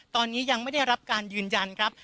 ตอนนี้ยังไม่ได้รับการยืนยันครับ